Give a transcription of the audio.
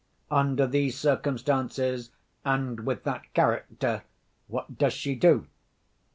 Under these circumstances, and with that character, what does she do?